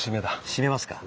しめますか。